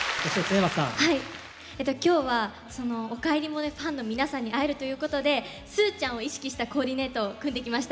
えっと今日は「おかえりモネ」ファンの皆さんに会えるということでスーちゃんを意識したコーディネートを組んできました。